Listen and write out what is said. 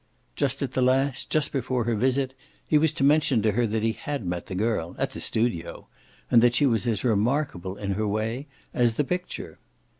Just at the last, just before her visit, he was to mention to her that he had met the girl at the studio and that she was as remarkable in her way as the picture.